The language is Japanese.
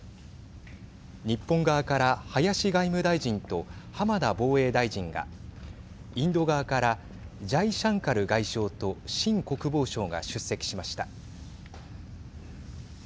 日本側から林外務大臣と浜田防衛大臣がインド側からジャイシャンカル外相とシン国防相が出席しました。